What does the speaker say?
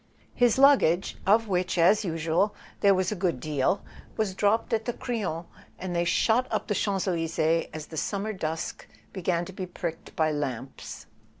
His luggage, of which, as usual, there was a good deal, was dropped at the Crillon, and they shot up the Champs Elysees as the summer dusk began to be pricked by lamps.